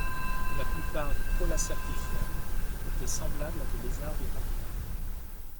La plupart des Prolacertiformes étaient semblables à des lézards de grande taille.